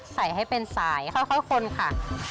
ใส่ให้เป็นสายค่อยคนค่ะ